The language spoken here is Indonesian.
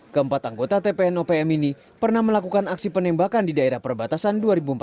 keempat anggota tpn opm ini pernah melakukan aksi penembakan di daerah perbatasan dua ribu empat belas